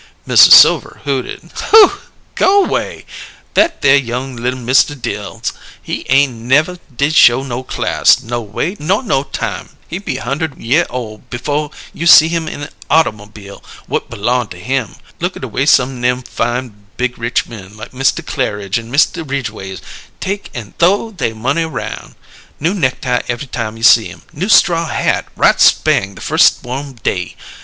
Mrs. Silver hooted. "Go way! That there young li'l Mista Dills, he ain' nev' did show no class, no way nor no time. He be hunderd year ole b'fo' you see him in autamobile whut b'long to him. Look at a way some nem fine big rich men like Mista Clairidge an' Mista Ridgways take an' th'ow they money aroun'! New necktie ev'y time you see 'em; new straw hat right spang the firs' warm day.